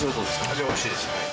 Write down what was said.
味はおいしいですね。